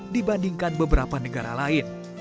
dibandingkan beberapa negara lain